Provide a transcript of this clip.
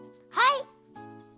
はい！